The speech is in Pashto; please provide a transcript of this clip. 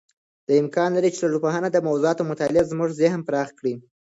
دا امکان لري چې د ټولنپوهنې د موضوعاتو مطالعه زموږ ذهن پراخ کړي.